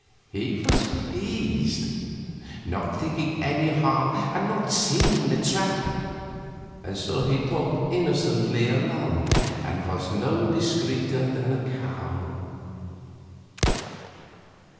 He was pleased not thinking any harm and not seeing the trap and so he talked innocently along, and was no discreeter than a cow.